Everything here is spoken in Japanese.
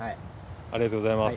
ありがとうございます。